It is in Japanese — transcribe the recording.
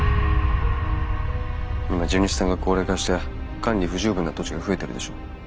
今地主さんが高齢化して管理不十分な土地が増えてるでしょ。